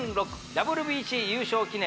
ＷＢＣ優勝記念